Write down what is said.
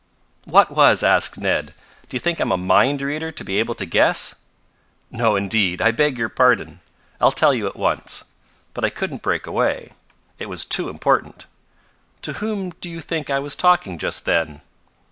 "What was?" asked Ned. "Do you think I'm a mind reader to be able to guess?" "No, indeed! I beg your pardon. I'll tell you at once. But I couldn't break away. It was too important. To whom do you think I was talking just then?"